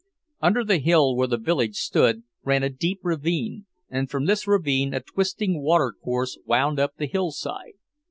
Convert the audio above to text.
Under the hill where the village stood, ran a deep ravine, and from this ravine a twisting water course wound up the hillside.